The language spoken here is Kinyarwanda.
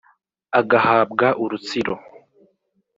Agahabwa urutsiro,